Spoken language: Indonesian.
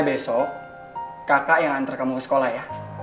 besok kakak yang antar kamu ke sekolah ya